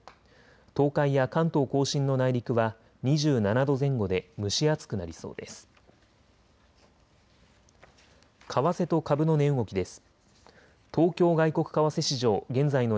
東海や関東甲信の内陸は２７度前後で蒸し暑くなりそうです。